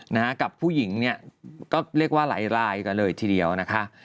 นะฮะกับผู้หญิงเนี่ยก็เรียกว่าหลายรายกันเลยทีเดียวนะคะ